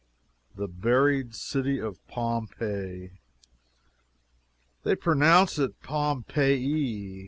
THE BURIED CITY OF POMPEII They pronounce it Pom pay e.